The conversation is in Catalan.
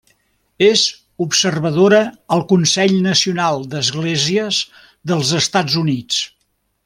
És observadora al Consell Nacional d'Esglésies dels Estats Units.